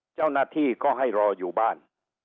เจ้าหน้าที่ก็ให้รออยู่บ้าน